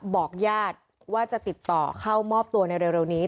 บอกญาติว่าจะติดต่อเข้ามอบตัวในเร็วนี้